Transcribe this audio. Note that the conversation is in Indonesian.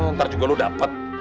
ntar juga lu dapet